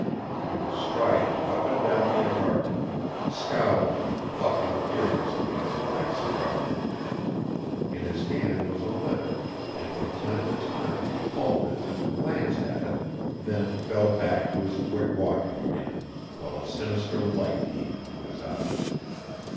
He was striding up and down the apartment, scowling and puffing furiously at a black cigar. In his hand was a letter, and from time to time he halted and glanced at it, then fell back to his quick walking again, while a sinister light came into his eyes.